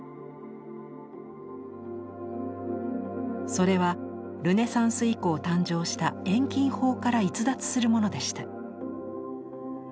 それはルネサンス以降誕生した遠近法から逸脱するものでした。